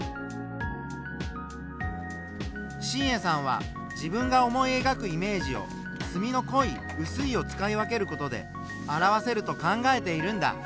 新恵さんは自分が思いえがくイメージを墨の濃い薄いを使い分ける事で表せると考えているんだ。